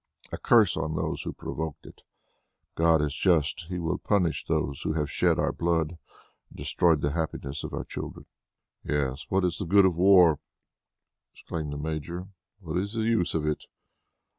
A curse on those who provoked it. God is just; He will punish those who have shed our blood and destroyed the happiness of our children." "Yes, what is the good of war?" exclaimed the Major. "What is the use of it?